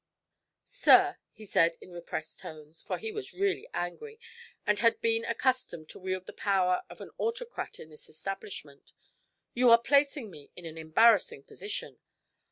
"Sir," he said in repressed tones, for he was really angry and had been accustomed to wield the power of an autocrat in this establishment, "you are placing me in an embarrassing position.